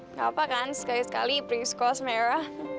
enggak apa kan sekali sekali prinsip kosme era